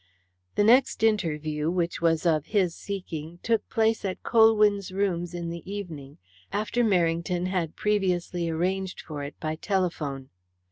The next interview, which was of his seeking, took place at Colwyn's rooms in the evening, after Merrington had previously arranged for it by telephone.